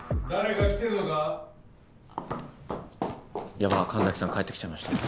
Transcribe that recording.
ヤバッ神崎さん帰ってきちゃいました。